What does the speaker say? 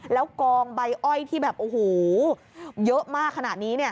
แล้วกองใบอ้อยที่แบบโอ้โหเยอะมากขนาดนี้เนี่ย